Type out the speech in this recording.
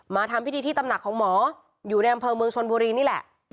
ทำพิธีที่ตำหนักของหมออยู่ในอำเภอเมืองชนบุรีนี่แหละ